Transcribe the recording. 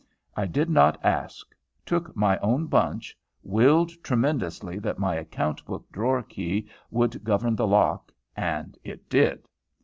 I did not ask. Took my own bunch, willed tremendously that my account book drawer key should govern the lock, and it did.